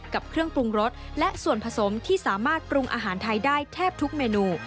กับเครื่องปรุงรสและส่วนผสมที่สามารถปรุงอาหารไทยได้แทบทุกเมนู